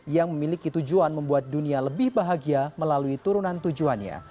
yang memiliki tujuan membuat dunia lebih bahagia melalui turunan tujuannya